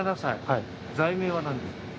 罪名は何ですか？